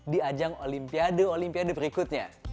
di ajang olimpiade olimpiade berikutnya